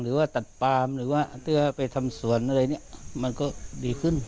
หรือว่าตัดปามหรือว่าเตื้อไปทำสวนอะไรเนี่ยมันก็ดีขึ้น